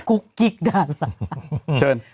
กุกกิ๊กดาลาด